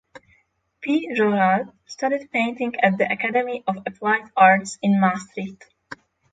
Piet Gerards studied painting at the Academy of Applied Arts in Maastricht.